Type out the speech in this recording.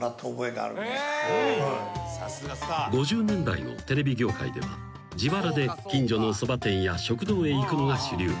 ［５０年代のテレビ業界では自腹で近所のそば店や食堂へ行くのが主流］